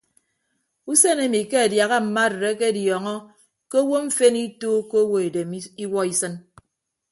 Usen emi ke adiaha mma arịd akediọọñọ ke owo mfen ituuko owo edem iwuọ isịn.